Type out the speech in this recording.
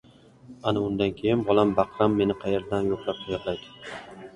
Ana undan keyin, bola-baqram meni qayerlardan yo‘qlab yig‘laydi?